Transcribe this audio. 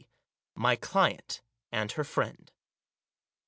MY CLIENT— AND HER FRIEND.